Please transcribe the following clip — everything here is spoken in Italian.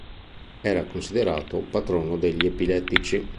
Era considerato patrono degli epilettici.